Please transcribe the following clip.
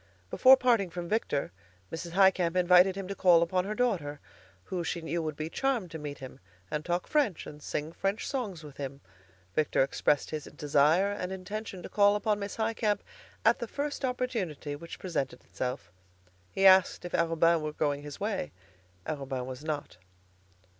Before parting from Victor, Mrs. Highcamp invited him to call upon her daughter, who she knew would be charmed to meet him and talk French and sing French songs with him. Victor expressed his desire and intention to call upon Miss Highcamp at the first opportunity which presented itself. He asked if Arobin were going his way. Arobin was not.